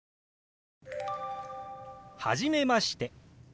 「初めまして」。